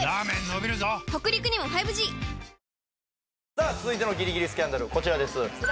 さあ続いてのギリギリスキャンダルこちらです